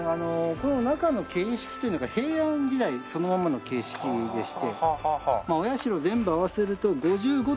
この中の形式というのが平安時代そのままの形式でしてお社全部合わせると５５棟のお社が。